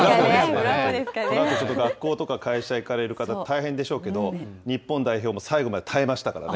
このあと学校とか会社に行かれる方、大変でしょうけれども、日本代表も最後まで耐えましたからね。